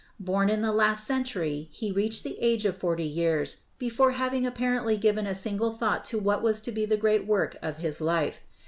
Born in the last century, he reached the age of forty years before having apparently given a single thought to what was to be the great work of his life.